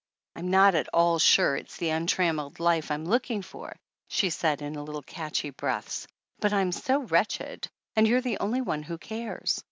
"I'm not at all sure it's the untrammeled life I'm looking for," she said in little catchy breaths ; "but I'm so wretched ! And you're the only one who cares